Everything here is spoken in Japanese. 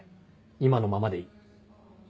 今のままでいい。